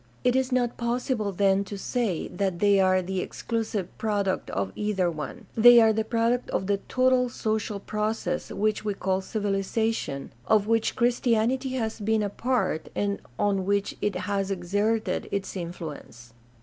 It is not possible then to say that they are the exclusive product of either one; they are the product of the total social process which we call civilization, of which Christianity has been a part, and on which it has exerted its influence.